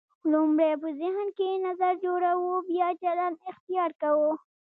لومړی په ذهن کې نظر جوړوو بیا چلند اختیار کوو.